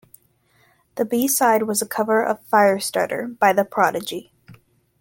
The B-side was a cover of "Firestarter", by The Prodigy.